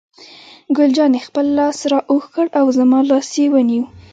ګل جانې خپل لاس را اوږد کړ او زما لاس یې ونیو.